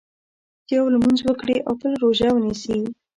چې یو لمونځ وکړي او بل روژه ونیسي.